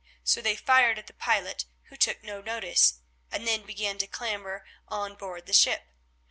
So they fired at the pilot, who took no notice, and then began to clamber on board the ship.